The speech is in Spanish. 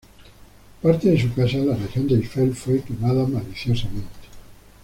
Parte de su casa en la región de Eifel fue quemada maliciosamente.